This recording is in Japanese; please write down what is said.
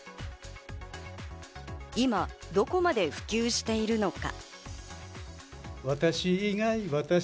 今どこまで普及しているのか。